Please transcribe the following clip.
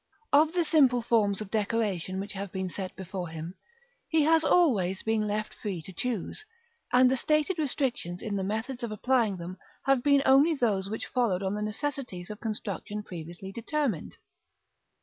Of the simple forms of decoration which have been set before him, he has always been left free to choose; and the stated restrictions in the methods of applying them have been only those which followed on the necessities of construction previously determined.